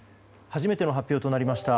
初めての発表となりました